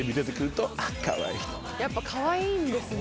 やっぱかわいいんですね。